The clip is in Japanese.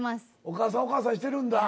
お母さんお母さんしてるんだ。